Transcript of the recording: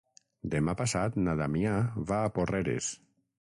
Demà passat na Damià va a Porreres.